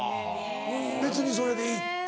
別にそれでいいって。